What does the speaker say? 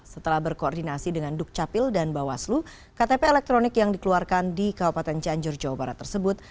setelah berkoordinasi dengan dukcapil dan bawaslu ktp elektronik yang dikeluarkan di kabupaten cianjur jawa barat tersebut